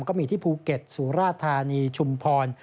ก็มีที่ภูเก็ตสุราธานีชุมพร